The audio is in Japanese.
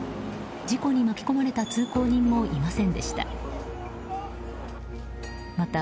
事故に巻き込まれた通行人もいませんでした。